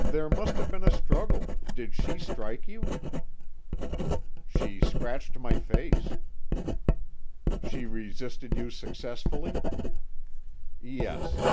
"There must have been a struggle. Did she strike you?" "She scratched my face." "She resisted you successfully?" "Yes."